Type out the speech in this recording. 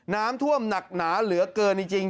น้ำท่วมหนักหนาเหลือเกินจริง